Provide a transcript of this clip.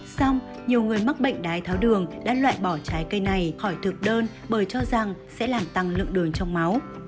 xong nhiều người mắc bệnh đái tháo đường đã loại bỏ trái cây này khỏi thực đơn bởi cho rằng sẽ làm tăng lượng đường trong máu